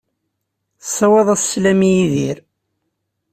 Ssawaḍ-as sslam i Yidir.